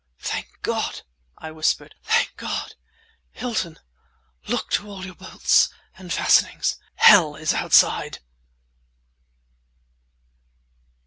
"Thank God!" I whispered. "Thank God! Hilton, look to all your bolts and fastenings. Hell is outside!"